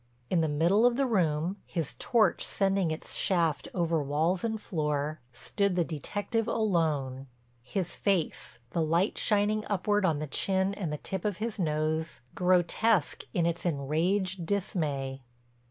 In the middle of the room, his torch sending its shaft over walls and floor, stood the detective alone, his face, the light shining upward on the chin and the tip of his nose, grotesque in its enraged dismay.